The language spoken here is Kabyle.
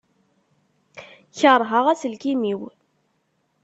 Kerheɣ aselkim-iw.